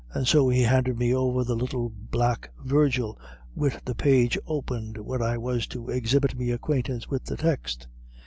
"So he handed me over a little black Virgil wid the page opened where I was to exhibit me acquaintance wid the text.